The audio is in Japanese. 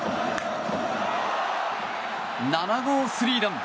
７号スリーラン！